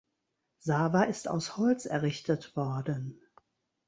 Sava ist aus Holz errichtet worden.